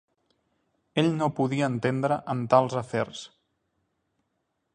Ell no podia entendre en tals afers.